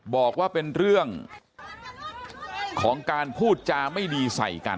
บอกว่าเป็นเรื่องของการพูดจาไม่ดีใส่กัน